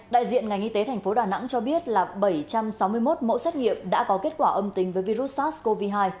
đại diện ngành y tế tp đà nẵng cho biết là bảy trăm sáu mươi một mẫu xét nghiệm đã có kết quả âm tính với virus sars cov hai